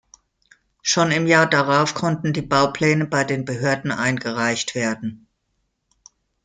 Schon im Jahr darauf konnten die Baupläne bei den Behörden eingereicht werden.